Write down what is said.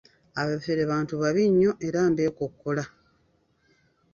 Abafere bantu babi nnyo era mbekokkola.